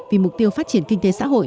vì mục tiêu phát triển kinh tế xã hội